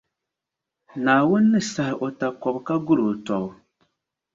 Naawuni ni sahi o takɔbi ka guri o tɔbu.